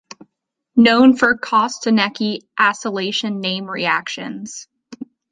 Known for Kostanecki acylation name reactions.